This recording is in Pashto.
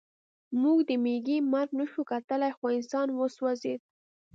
موږ د مېږي مرګ نشو کتلی خو انسان وسوځېد